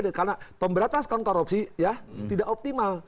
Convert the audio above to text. karena pemberantasan korupsi tidak optimal